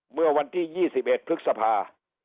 เมื่อวันที่๒๑พฤษภา